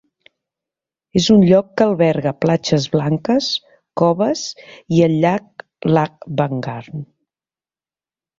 És un lloc que alberga platges blanques, coves i el llac Lagbangan.